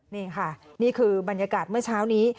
นี่ค่ะนี่คือบรรยากาศเมื่อเช้านี้